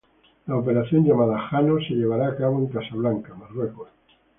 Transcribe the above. La operación llamada "Jano" se llevará a cabo en Casablanca, Marruecos.